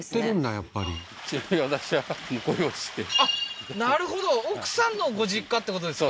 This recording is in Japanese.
やっぱりあっなるほど奥さんのご実家ってことですか